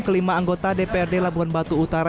kelima anggota dprd labuan batu utara